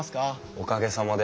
おかげさまで。